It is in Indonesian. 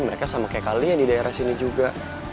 mereka sama kayak kalian di daerah sini juga